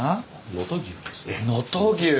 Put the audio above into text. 能登牛の。